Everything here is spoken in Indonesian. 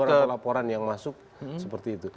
ada beberapa laporan yang masuk seperti itu